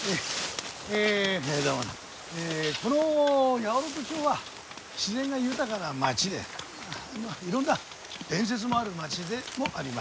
この八百万町は自然が豊かな町でいろんな伝説もある町でもあります。